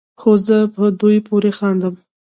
خو زه په دوی پورې خاندم